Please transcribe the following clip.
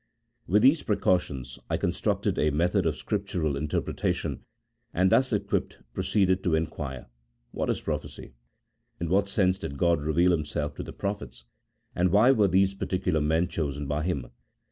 "With these precautions I constructed a method of Scriptural interpretation, and thus equipped proceeded to inquire — What is prophecy? in what sense did G od reveal Himself to the prophets, and why were these particular men chosen by Him